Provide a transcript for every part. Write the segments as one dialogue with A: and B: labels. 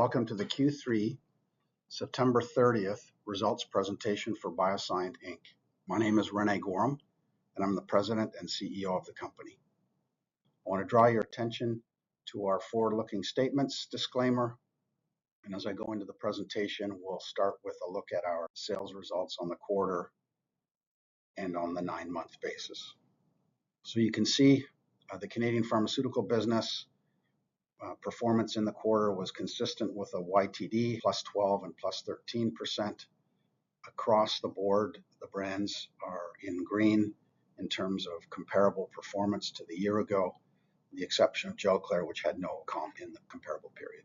A: Welcome to the Q3, September 30th results presentation for BioSyent Inc. My name is René Goehrum, and I'm the President and CEO of the company. I want to draw your attention to our forward-looking statements disclaimer, and as I go into the presentation, we'll start with a look at our sales results on the quarter and on the nine-month basis. So you can see the Canadian pharmaceutical business performance in the quarter was consistent with a YTD plus 12% and plus 13% across the board. The brands are in green in terms of comparable performance to the year ago, with the exception of Gelclair, which had no column in the comparable period.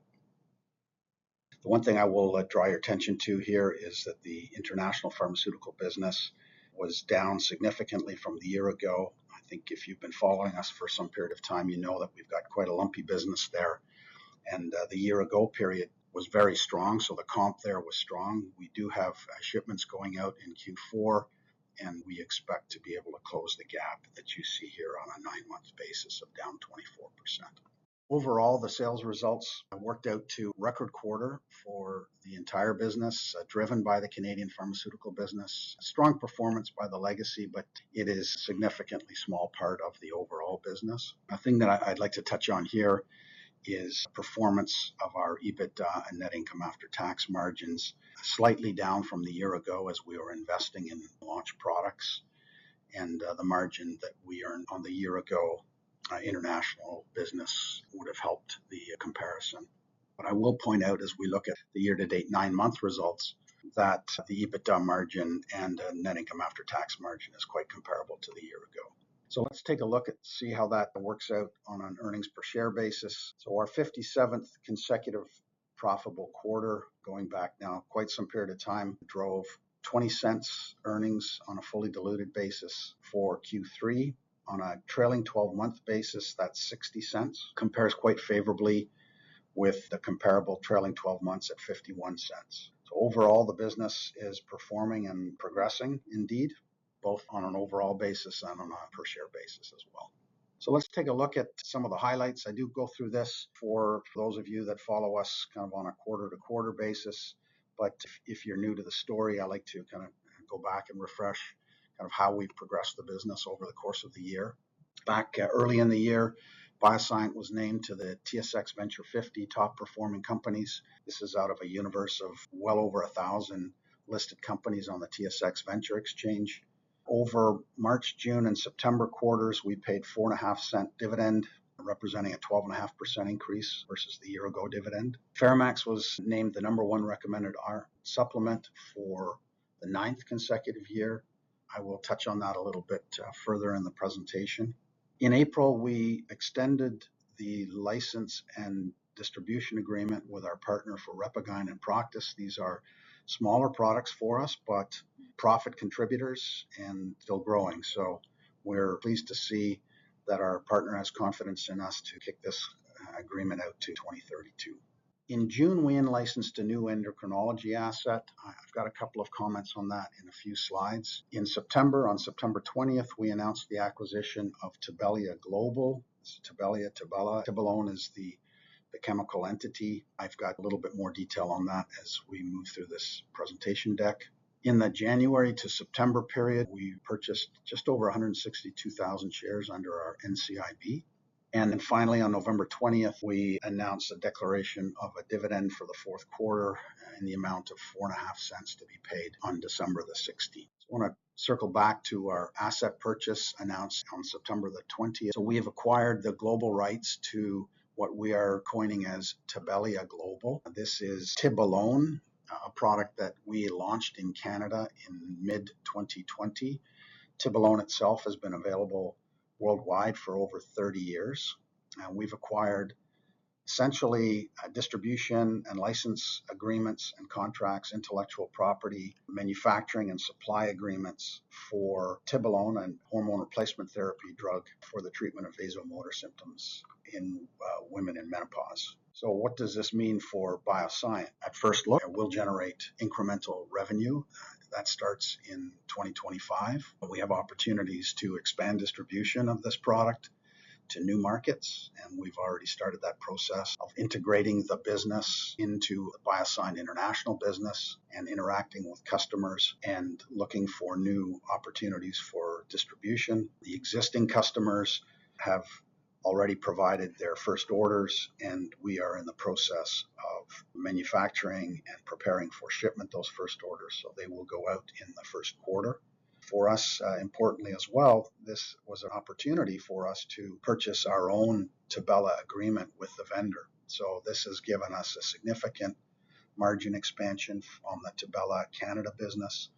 A: The one thing I will draw your attention to here is that the international pharmaceutical business was down significantly from the year ago. I think if you've been following us for some period of time, you know that we've got quite a lumpy business there, and the year-ago period was very strong, so the comp there was strong. We do have shipments going out in Q4, and we expect to be able to close the gap that you see here on a nine-month basis of down 24%. Overall, the sales results worked out to record quarter for the entire business, driven by the Canadian pharmaceutical business. Strong performance by the legacy, but it is a significantly small part of the overall business. A thing that I'd like to touch on here is the performance of our EBITDA and net income after-tax margins, slightly down from the year ago as we were investing in launch products, and the margin that we earned on the year-ago international business would have helped the comparison. But I will point out, as we look at the year-to-date nine-month results, that the EBITDA margin and net income after-tax margin is quite comparable to the year ago. So let's take a look at see how that works out on an earnings-per-share basis. So our 57th consecutive profitable quarter, going back now quite some period of time, drove 0.20 earnings on a fully diluted basis for Q3. On a trailing 12-month basis, that's 0.60. It compares quite favorably with the comparable trailing 12 months at 0.51. So overall, the business is performing and progressing indeed, both on an overall basis and on a per-share basis as well. So let's take a look at some of the highlights. I do go through this for those of you that follow us kind of on a quarter-to-quarter basis, but if you're new to the story, I like to kind of go back and refresh kind of how we've progressed the business over the course of the year. Back early in the year, BioSyent was named to the TSX Venture 50 top-performing companies. This is out of a universe of well over 1,000 listed companies on the TSX Venture Exchange. Over March, June, and September quarters, we paid 0.045 dividend, representing a 12.5% increase versus the year-ago dividend. FeraMAX was named the number one recommended iron supplement for the ninth consecutive year. I will touch on that a little bit further in the presentation. In April, we extended the license and distribution agreement with our partner for RepaGyn and Proktis. These are smaller products for us, but profit contributors and still growing, so we're pleased to see that our partner has confidence in us to kick this agreement out to 2032. In June, we in-licensed a new endocrinology asset. I've got a couple of comments on that in a few slides. In September, on September 20th, we announced the acquisition of Tibellia Global. It's Tibellia, Tibella. Tibolone is the chemical entity. I've got a little bit more detail on that as we move through this presentation deck. In the January to September period, we purchased just over 162,000 shares under our NCIB. And then finally, on November 20th, we announced a declaration of a dividend for the fourth quarter in the amount of 0.045 to be paid on December the 16th. I want to circle back to our asset purchase announced on September the 20th. So we have acquired the global rights to what we are coining as Tibellia Global. This is Tibella, a product that we launched in Canada in mid-2020. Tibella itself has been available worldwide for over 30 years, and we've acquired essentially distribution and license agreements and contracts, intellectual property, manufacturing, and supply agreements for Tibella and hormone replacement therapy drug for the treatment of vasomotor symptoms in women in menopause. So what does this mean for BioSyent? At first look, it will generate incremental revenue. That starts in 2025. We have opportunities to expand distribution of this product to new markets, and we've already started that process of integrating the business into BioSyent International business and interacting with customers and looking for new opportunities for distribution. The existing customers have already provided their first orders, and we are in the process of manufacturing and preparing for shipment those first orders, so they will go out in the first quarter. For us, importantly as well, this was an opportunity for us to purchase our own Tibella agreement with the vendor. So this has given us a significant margin expansion on the Tibella Canada business.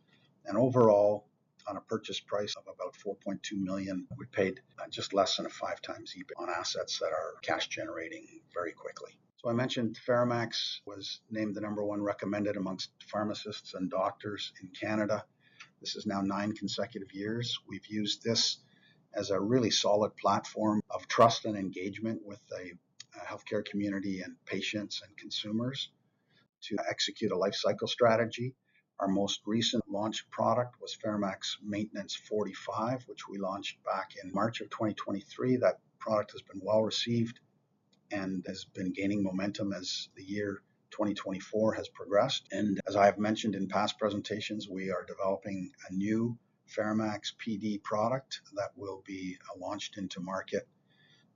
A: And overall, on a purchase price of about 4.2 million, we paid just less than a five times EBIT on assets that are cash-generating very quickly. So I mentioned FeraMAX was named the number one recommended among pharmacists and doctors in Canada. This is now nine consecutive years. We've used this as a really solid platform of trust and engagement with the healthcare community and patients and consumers to execute a life cycle strategy. Our most recent launch product was FeraMAX Maintenance 45, which we launched back in March of 2023. That product has been well received and has been gaining momentum as the year 2024 has progressed, and as I have mentioned in past presentations, we are developing a new FeraMAX Pd product that will be launched into market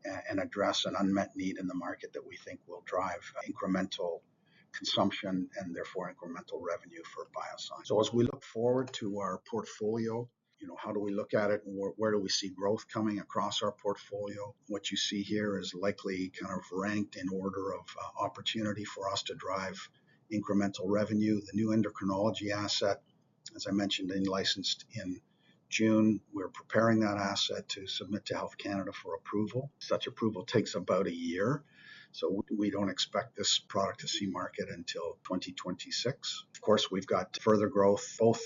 A: and address an unmet need in the market that we think will drive incremental consumption and therefore incremental revenue for BioSyent. So as we look forward to our portfolio, you know, how do we look at it? Where do we see growth coming across our portfolio? What you see here is likely kind of ranked in order of opportunity for us to drive incremental revenue. The new endocrinology asset, as I mentioned, in-licensed in June. We're preparing that asset to submit to Health Canada for approval. Such approval takes about a year, so we don't expect this product to see market until 2026. Of course, we've got further growth both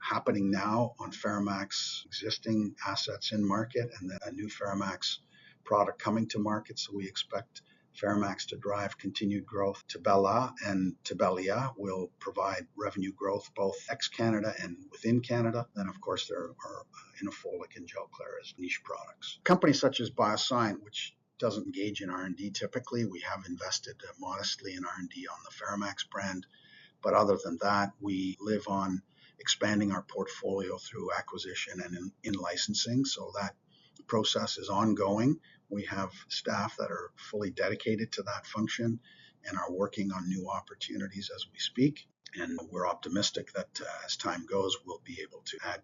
A: happening now on FeraMAX existing assets in market and then a new FeraMAX product coming to market. So we expect FeraMAX to drive continued growth. Tibella and Tibellia will provide revenue growth both ex-Canada and within Canada. Then, of course, there are Inofolic and Gelclair as niche products. Companies such as BioSyent, which doesn't engage in R&D typically, we have invested modestly in R&D on the FeraMAX brand, but other than that, we live on expanding our portfolio through acquisition and in licensing, so that process is ongoing. We have staff that are fully dedicated to that function and are working on new opportunities as we speak, and we're optimistic that as time goes, we'll be able to add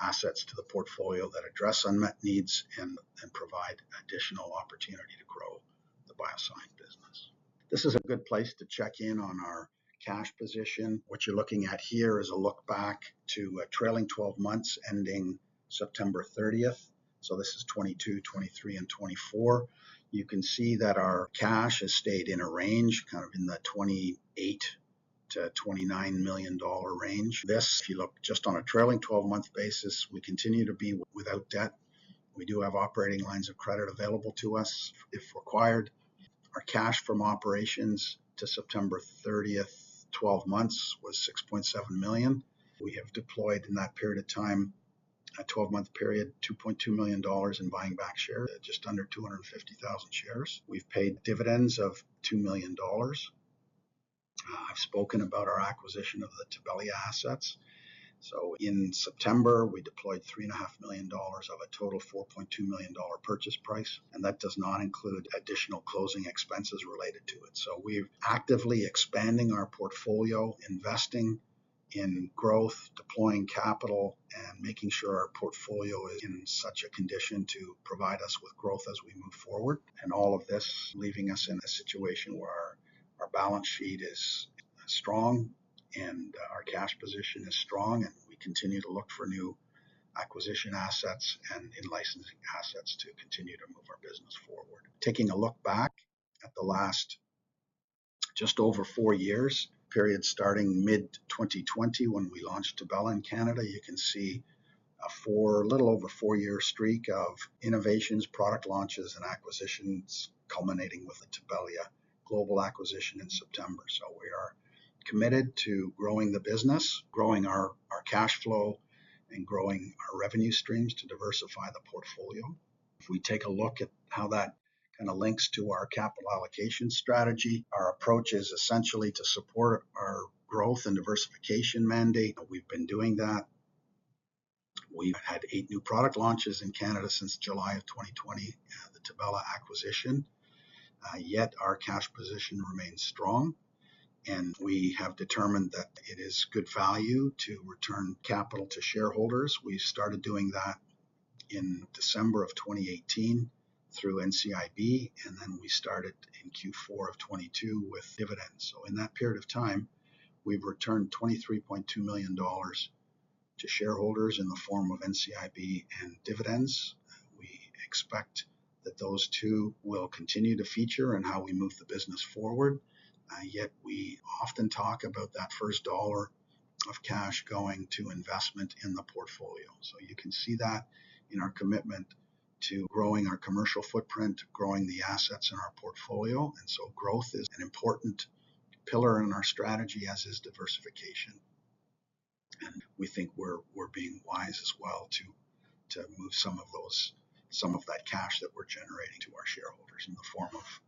A: assets to the portfolio that address unmet needs and provide additional opportunity to grow the BioSyent business. This is a good place to check in on our cash position. What you're looking at here is a look back to a trailing 12 months ending September 30th. So this is 2022, 2023, and 2024. You can see that our cash has stayed in a range, kind of in the 28 million-29 million dollar range. This, if you look just on a trailing 12-month basis, we continue to be without debt. We do have operating lines of credit available to us if required. Our cash from operations to September 30th, 12 months, was 6.7 million. We have deployed in that period of time, a 12-month period, 2.2 million dollars in buying back share, just under 250,000 shares. We've paid dividends of 2 million dollars. I've spoken about our acquisition of the Tibella assets, so in September, we deployed 3.5 million dollars of a total 4.2 million dollar purchase price, and that does not include additional closing expenses related to it, so we're actively expanding our portfolio, investing in growth, deploying capital, and making sure our portfolio is in such a condition to provide us with growth as we move forward, and all of this leaving us in a situation where our balance sheet is strong and our cash position is strong, and we continue to look for new acquisition assets and in-licensing assets to continue to move our business forward. Taking a look back at the last just over four years period, starting mid-2020 when we launched Tibella Canada, you can see a little over four-year streak of innovations, product launches, and acquisitions culminating with the Tibellia Global acquisition in September. So we are committed to growing the business, growing our cash flow, and growing our revenue streams to diversify the portfolio. If we take a look at how that kind of links to our capital allocation strategy, our approach is essentially to support our growth and diversification mandate. We've been doing that. We've had eight new product launches in Canada since July of 2020, the Tibella acquisition. Yet our cash position remains strong, and we have determined that it is good value to return capital to shareholders. We started doing that in December of 2018 through NCIB, and then we started in Q4 of 2022 with dividends. So in that period of time, we've returned 23.2 million dollars to shareholders in the form of NCIB and dividends. We expect that those two will continue to feature in how we move the business forward. Yet we often talk about that first dollar of cash going to investment in the portfolio. So you can see that in our commitment to growing our commercial footprint, growing the assets in our portfolio. And so growth is an important pillar in our strategy, as is diversification. And we think we're being wise as well to move some of that cash that we're generating to our shareholders in the form of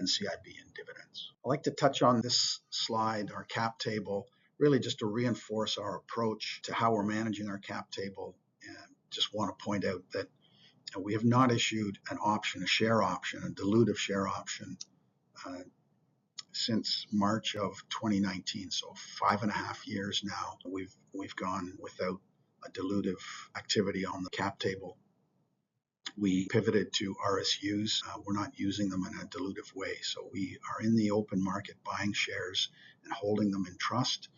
A: NCIB and dividends. I'd like to touch on this slide, our cap table, really just to reinforce our approach to how we're managing our cap table. I just want to point out that we have not issued an option, a share option, a dilutive share option since March of 2019, so five and a half years now. We've gone without a dilutive activity on the cap table. We pivoted to RSUs. We're not using them in a dilutive way. So we are in the open market, buying shares and holding them in trust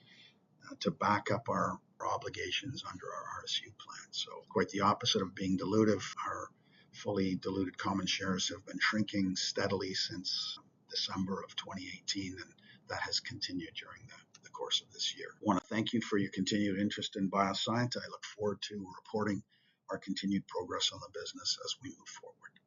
A: to back up our obligations under our RSU plan. So quite the opposite of being dilutive, our fully diluted common shares have been shrinking steadily since December of 2018, and that has continued during the course of this year. I want to thank you for your continued interest in BioSyent. I look forward to reporting our continued progress on the business as we move forward. Thank you.